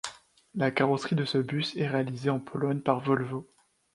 La carrosserie de ce bus est réalisée en Pologne par Volvo.